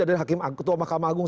dari ketua makam agung